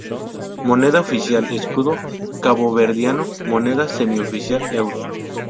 Moneda oficial Escudo caboverdiano, moneda semi-oficial euro.